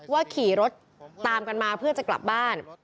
ขี่รถตามกันมาเพื่อจะกลับบ้าน